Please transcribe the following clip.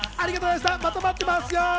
また待ってますよ。